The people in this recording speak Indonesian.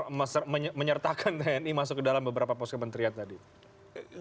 ketika menyertakan tni masuk ke dalam beberapa poskementerian tadi